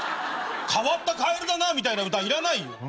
変わったカエルだなみたいな歌いらないよ。